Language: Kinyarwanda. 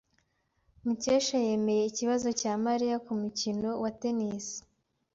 Mukesha yemeye ikibazo cya Mariya kumukino wa tennis.